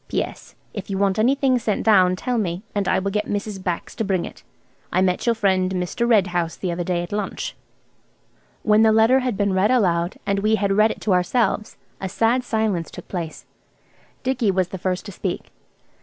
"PS. If you want anything sent down, tell me, and I will get Mrs. Bax to bring it. I met your friend Mr. Red House the other day at lunch." When the letter had been read aloud, and we had read it to ourselves, a sad silence took place. Dicky was the first to speak.